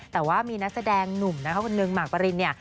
แต่ว่ามีนักแสดงหนุ่มนะคะคนนึงหมากปรินเนี่ย